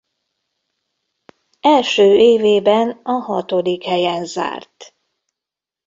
Első évében a hatodik helyen zárt.